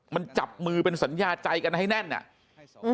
มันจับมือเป็นสัญญาใจกันให้แน่นอ่ะ